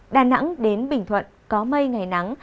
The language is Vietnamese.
đà nẵng đến bình thuận có mây ngày nắng